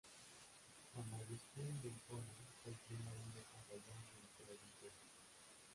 San Agustín de Hipona fue el primero en desarrollar la teodicea.